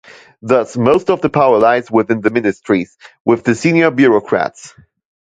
Thus, most of the power lies within the ministries, with the senior bureaucrats.